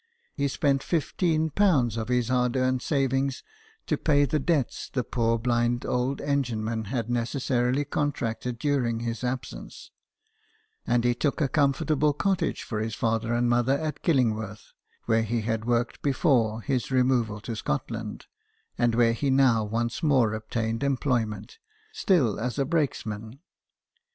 He spent ^15 of his hard earned savings to pay the debts the poor blind old engine man had necessarily con tracted during his absence, and he took a com fortable cottage for his father and mother at Killingworth, where he had worked before his removal to Scotland, and where he now once more obtained employment, still as a brakes man.